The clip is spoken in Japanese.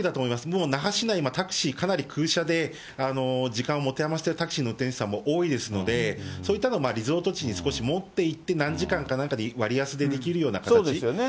もう那覇市内、今、タクシー、かなり空車で、時間を持て余しているタクシーの運転手さんも多いですので、そういったのをリゾート地に少し持っていって、何時間かなんかで割安でできるような形ですよね。